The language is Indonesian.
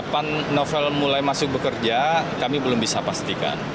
pan novel mulai masuk bekerja kami belum bisa pastikan